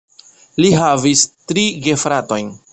Li havis tri gefratojn.